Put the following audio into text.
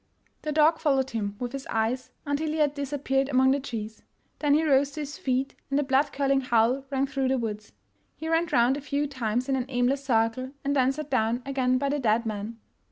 The dog followed him with his eyes until he had dis appeared among the trees; then he rose to his feet, and a blood curdling howl rang through the woods. He went round a few times in an aimless circle, and then sat down again by the dead man.